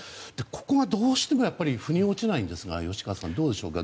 ここがどうしても腑に落ちないんですが吉川さん、どうでしょうか。